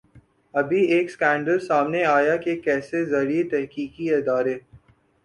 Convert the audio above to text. ابھی ایک سکینڈل سامنے آیا کہ کیسے زرعی تحقیقی ادارے